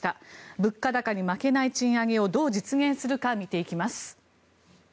物価高に負けない賃上げをどう実現するか見ていきます。